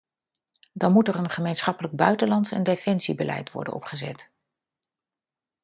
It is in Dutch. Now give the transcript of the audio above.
Dan moet er een gemeenschappelijk buitenlands en defensiebeleid worden opgezet.